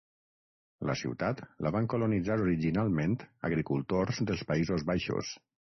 La ciutat la van colonitzar originalment agricultors dels Països Baixos.